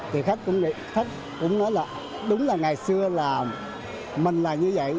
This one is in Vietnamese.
thì khách cũng nói là đúng là ngày xưa là mình là như vậy